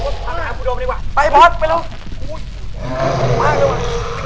ทำไมโพงมันแบบนั้นไว้บอส